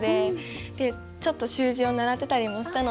ちょっと習字を習ってたりもしたので。